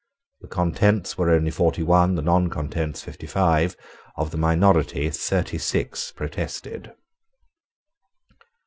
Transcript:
The contents were only forty one: the noncontents fifty five. Of the minority thirty six protested.